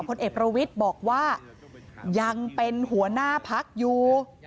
ผลเอกประวิทย์บอกว่ายังเป็นหัวหน้าพักอยู่